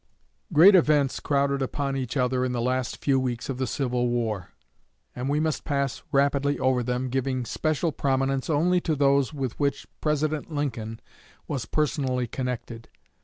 Great events crowded upon each other in the last few weeks of the Civil War; and we must pass rapidly over them, giving special prominence only to those with which President Lincoln was personally connected.